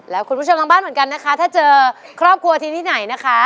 แล้วคุณผู้ชมทางบ้านเหมือนกันนะคะถ้าเจอครอบครัวทีที่ไหนนะคะ